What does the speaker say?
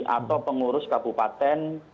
atau pengurus kabupaten